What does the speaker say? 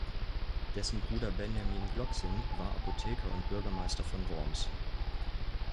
Dessen Bruder Benjamin Gloxin war Apotheker und Bürgermeister von Worms.